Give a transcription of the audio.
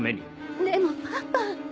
でもパパ。